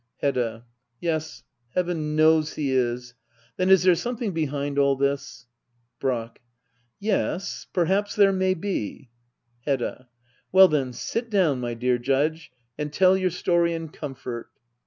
Hedda. Yes, heaven knows he is. Then is there some thing behind all this ? Brack. Yes, perhaps there may be. Hedda. Well then, sit down, my dear Judge, and tell your story in comfort.